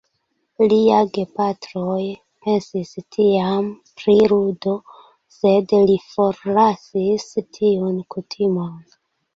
Lia gepatroj pensis tiam pri ludo, sed li forlasis tiun kutimon.